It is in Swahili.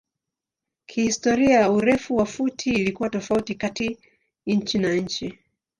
Kihistoria urefu wa futi ilikuwa tofauti kati nchi na nchi.